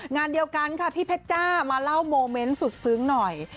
งานเดียวกันค่ะพี่เพชรจ้ามาเล่าโมเมนต์สุดซึ้งหน่อย